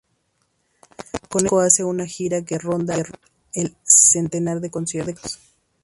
Con este disco hacen una gira que ronda el centenar de conciertos.